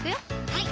はい